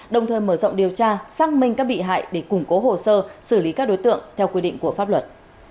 đồng thời mở rộng điều tra xác minh các bị hại để củng cố hồ sơ xử lý các đối tượng theo quy định của pháp luật